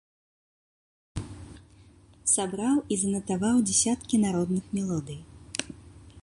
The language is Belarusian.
Сабраў і занатаваў дзесяткі народных мелодый.